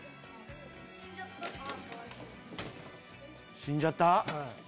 死んじゃった？